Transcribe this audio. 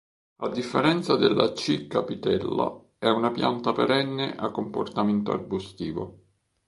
A differenza della "C. capitella" è una pianta perenne a comportamento arbustivo.